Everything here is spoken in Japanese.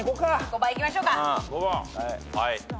５番いきましょうか。